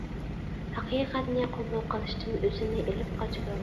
ھەقىقەتنى قوبۇل قىلىشتىن ئۆزىنى ئىلىپ قاچىدۇ.